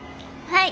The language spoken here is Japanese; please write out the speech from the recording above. はい。